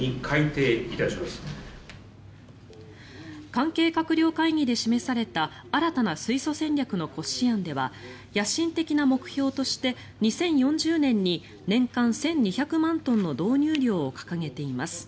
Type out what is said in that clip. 関係閣僚会議で示された新たな水素戦略の骨子案では野心的な目標として２０４０年に年間１２００万トンの導入量を掲げています。